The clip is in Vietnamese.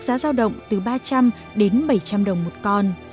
giá giao động từ ba trăm linh đến bảy trăm linh đồng một con